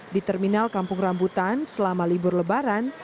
di terminal kampung rambutan selama libur lebaran